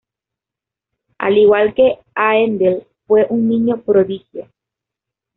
Al igual que Haendel, fue un niño prodigio.